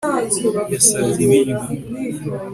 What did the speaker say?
Yasabye ibiryo